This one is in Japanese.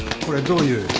これどういう。